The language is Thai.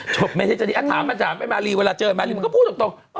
จบไม่ได้จะดีถามอาจารย์ไปมารีเวลาเจอมารีมันก็พูดตก